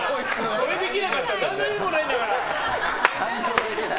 それできなかったら何の意味もないんだから！